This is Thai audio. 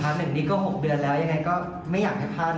เห็นนี้ก็๖เดือนแล้วยังไงก็ไม่อยากให้พลาด